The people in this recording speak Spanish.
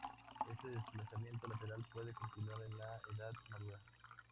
Este desplazamiento lateral puede continuar en la edad madura.